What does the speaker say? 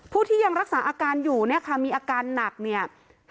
ผู้ที่ยังรักษาอาการอยู่เนี่ยค่ะมีอาการหนักเนี่ย